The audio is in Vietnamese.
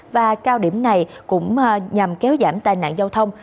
và cao điểm này cũng nhằm kéo giảm tai nạn giao thông